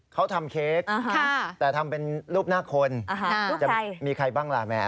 เขาทำเค้กแต่ทำเป็นรูปหน้าคนจะมีใครบ้างล่ะแม่